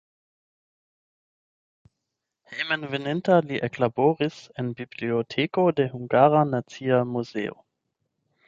Hejmenveninta li eklaboris en biblioteko de Hungara Nacia Muzeo.